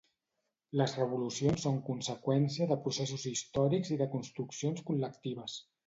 Les revolucions són conseqüència de processos històrics i de construccions col·lectives.